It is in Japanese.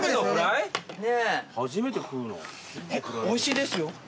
おいしいですよ。